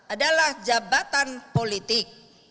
adalah jabatan politik